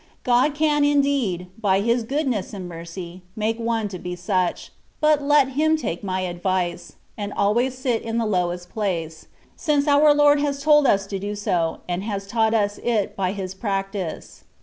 God can indeed, by His goodness and mercy, make one to be such; but let him take my advice, and always sit in the lowest place, since our Lord has told us to do so,, and has taught us it by his practice.